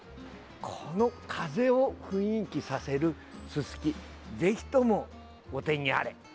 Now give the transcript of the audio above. この風を雰囲気させるススキぜひとも、お手にあれ。